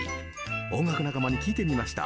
音楽仲間に聞いてみました。